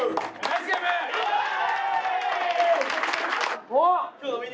イエーイ！